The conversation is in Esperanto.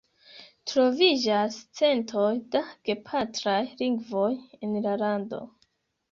Troviĝas centoj da gepatraj lingvoj en la lando.